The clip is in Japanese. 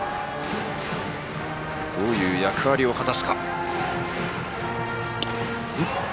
どういう役割を果たすか。